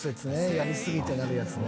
やりすぎてなるやつね。